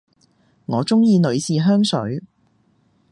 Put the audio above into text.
我鍾意女士香水